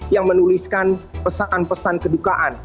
yang menuliskan pesan pesan kedukaan